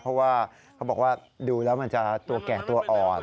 เพราะว่าเขาบอกว่าดูแล้วมันจะตัวแก่งตัวอ่อน